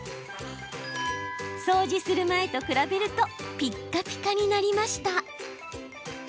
掃除する前と比べるとピッカピカになりました。